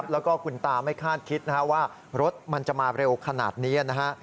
แล้วก็คุณตาไม่คาดคิดนะฮะว่ารถมันจะมาเร็วขนาดนี้นะฮะ